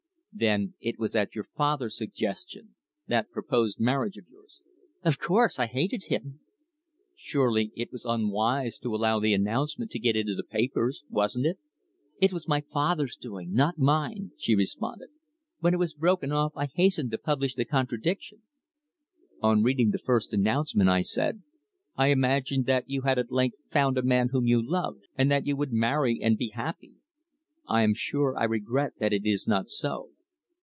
"Then it was at your father's suggestion that proposed marriage of yours?" "Of course, I hated him." "Surely it was unwise to allow the announcement to get into the papers, wasn't it?" "It was my father's doing, not mine," she responded. "When it was broken off I hastened to publish the contradiction." "On reading the first announcement," I said, "I imagined that you had at length found a man whom you loved, and that you would marry and be happy. I am sure I regret that it is not so."